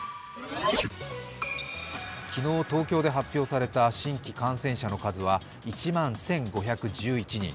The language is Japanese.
昨日東京で発表された新規感染者の数は１万１５１１人。